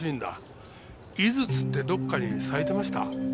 井筒ってどこかに咲いてました？